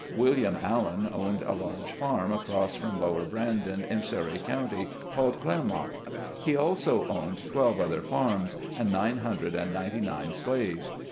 William Allen owned a large farm across from Lower Brandon, in Surrey Co., called Claremont. He also owned twelve other farms, and nine hun dred and ninety nine slaves.